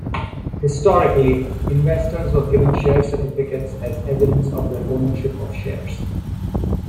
Historically, investors were given share certificates as evidence of their ownership of shares.